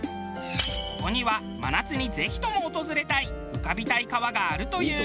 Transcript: ここには真夏にぜひとも訪れたい浮かびたい川があるという。